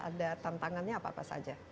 ada tantangannya apa apa saja